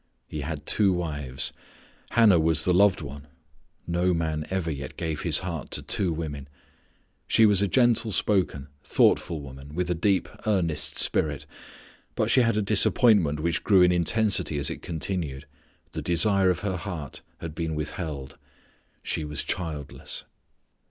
He had two wives. Hannah was the loved one. (No man ever yet gave his heart to two women.) She was a gentle spoken, thoughtful woman, with a deep, earnest spirit. But she had a disappointment which grew in intensity as it continued. The desire of her heart had been withheld. She was childless.